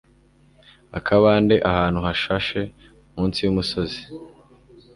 akabande ahantu hashashe munsi y'umusozi